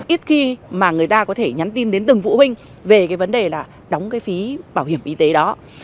ít khi mà người ta có thể nhắn tin đến từng vụ huynh về cái vấn đề là đóng cái phí bảo hiểm y tế đó